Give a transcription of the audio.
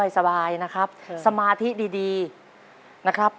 สบายนะครับสมาธิดีนะครับ